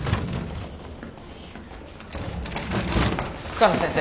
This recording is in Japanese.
深野先生。